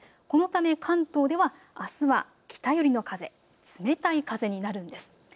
このため関東ではあすは北寄りの風、冷たい風になるんです。